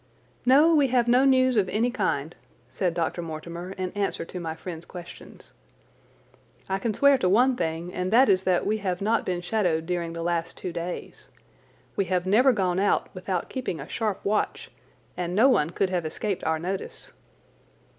"No, we have no news of any kind," said Dr. Mortimer in answer to my friend's questions. "I can swear to one thing, and that is that we have not been shadowed during the last two days. We have never gone out without keeping a sharp watch, and no one could have escaped our notice."